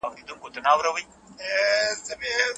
ښځه د اوبو لوښي په مېز کې کېښودل.